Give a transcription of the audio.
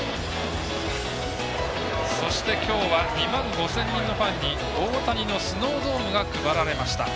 そして、きょうは２万５０００人のファンに大谷のスノードームが配られました。